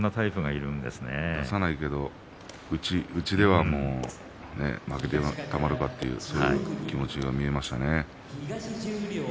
出さないけど内では負けてたまるかという気持ちが見えましたね。